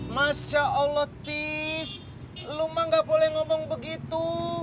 masya allah tis lu mah gak boleh ngomong begitu